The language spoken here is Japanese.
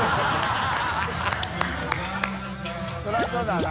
それはそうだな。